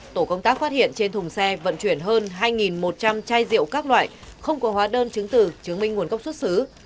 tổ công tác phát hiện trên thùng xe vận chuyển hơn hai một trăm linh chai rượu các loại không có hóa đơn chứng từ chứng minh nguồn gốc xuất xứ